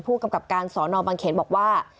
ผู้กำกับการสอนอบังเขนบอกว่า